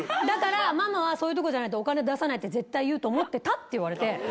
だから、ママはそういうとこじゃないとお金出さないって絶対言うと思ってたって言われて。